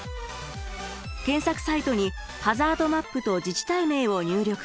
検索サイトにハザードマップと自治体名を入力。